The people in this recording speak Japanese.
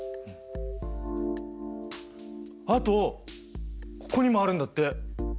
あとここにもあるんだって。